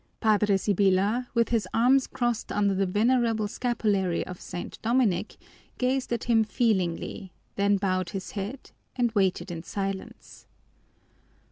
Padre Sibyla, with his arms crossed under the venerable scapulary of St. Dominic, gazed at him feelingly, then bowed his head and waited in silence.